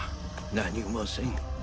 何もせん。